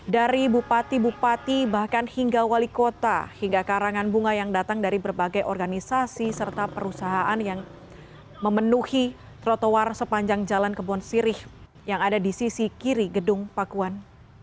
dari bupati bupati bahkan hingga wali kota hingga karangan bunga yang datang dari berbagai organisasi serta perusahaan yang memenuhi trotoar sepanjang jalan kebon sirih yang ada di sisi kiri gedung pakuan